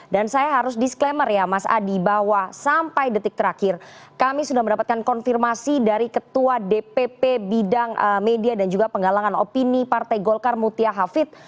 dan saya harus disclaimer ya mas adi bahwa sampai detik terakhir kami sudah mendapatkan konfirmasi dari ketua dpp bidang media dan juga penggalangan opini partai golkar mutia hafid